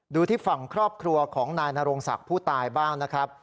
ดูที่ฝั่งครอบครัวของนายนโรงศักดิ์ผู้ตายบ้างนะครับ